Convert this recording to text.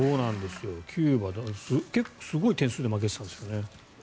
キューバ、すごい点数で負けてたんですよね。